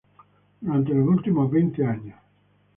Durante los últimos veinte años, Mr.